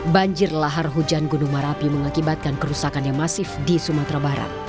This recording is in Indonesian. banjir lahar hujan gunung merapi mengakibatkan kerusakan yang masif di sumatera barat